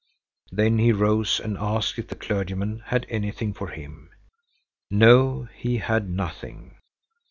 Then he rose and asked if the clergyman had anything for him. No, he had nothing.